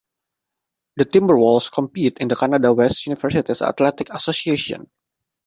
The Timberwolves compete in the Canada West Universities Athletic Association.